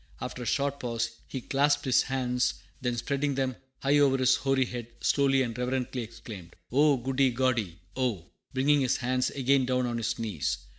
After a short pause, he clasped his hands; then spreading them high over his hoary head, slowly and reverently exclaimed, "Oh, goody Gody, oh!" bringing his hands again down on his knees.